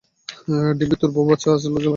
ডিম্পি, তোর বৌ বাচ্চা আছে, লজ্জা লাগে না।